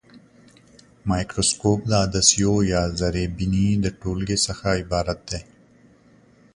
مایکروسکوپ د عدسیو یا زرې بیني د ټولګې څخه عبارت دی.